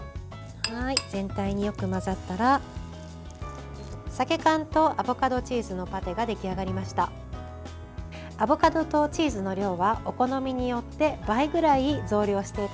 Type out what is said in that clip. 全体によく混ざったら鮭缶とアボカドチーズのパテが出来上がりました。